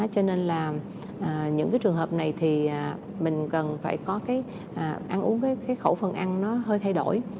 cho nên là những cái trường hợp này thì mình cần phải có cái khẩu phần ăn nó hơi thay đổi